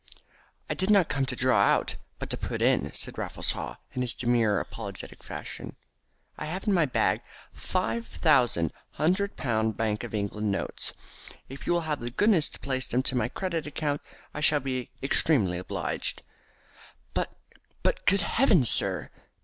"I did not come to draw out, but to put in," said Raffles Haw in his demure apologetic fashion. "I have in my bag five thousand hundred pound Bank of England notes. If you will have the goodness to place them to my credit account I should be extremely obliged." "But, good heavens, sir!"